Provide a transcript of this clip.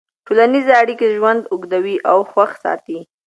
ټولنیزې اړیکې ژوند اوږدوي او خوښ ساتي.